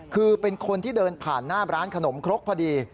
คือเป็นคนที่เดินผ่านหน้าร้านขนมครกพอดี